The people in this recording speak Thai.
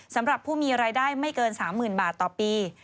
สำหรับผู้มีรายได้ไม่เกิน๓๐๐๐บาทต่อปี